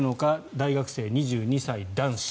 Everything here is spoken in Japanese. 大学生、２２歳男子。